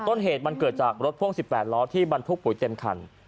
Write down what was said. ต้นเหตุมันเกิดจากรถพ่วง๑๘ล้อที่บรรทุกปุ๋ยเต็มคัน